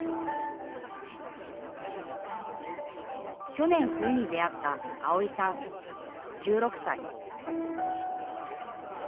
去年、冬に出会ったあおいさん、１６歳。